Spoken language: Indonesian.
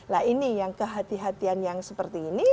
nah ini yang kehatian kehatian yang seperti ini